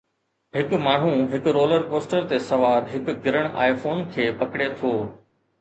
هڪ ماڻهو هڪ رولر ڪوسٽر تي سوار هڪ گرڻ آئي فون کي پڪڙي ٿو